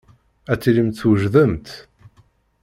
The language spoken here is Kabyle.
Ad tilimt twejdemt?